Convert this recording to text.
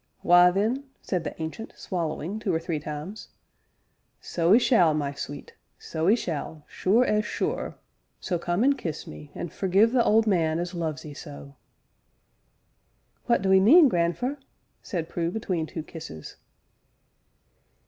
Why, then," said the Ancient, swallowing two or three times, "so 'ee shall, my sweet so 'ee shall, sure as sure, so come an' kiss me, an' forgive the old man as loves 'ee so." "What do 'ee mean, grandfer?" said Prue between two kisses.